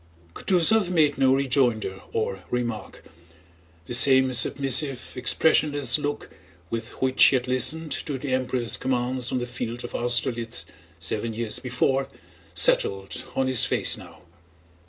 Kutúzov made no rejoinder or remark. The same submissive, expressionless look with which he had listened to the Emperor's commands on the field of Austerlitz seven years before settled on his face now.